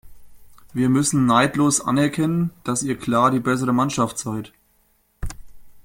Wir müssen neidlos anerkennen, dass ihr klar die bessere Mannschaft seid.